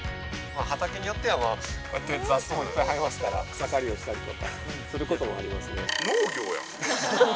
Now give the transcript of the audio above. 畑によってはまあ雑草いっぱい生えますから草刈りをしたりとかすることもありますね